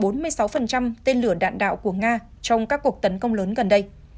tên lửa đạn đạo của nga trong các cuộc tấn công lớn gần đây